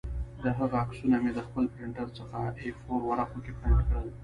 د هغه عکسونه مې د خپل پرنټر څخه اې فور ورقو کې پرنټ کړل